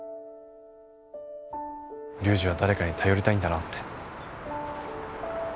龍二は誰かに頼りたいんだなって。